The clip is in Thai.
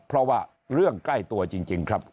เพราะว่าเรื่องใกล้ตัวจริงครับ